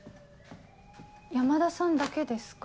山田さんだけですか？